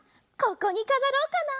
ここにかざろうかな？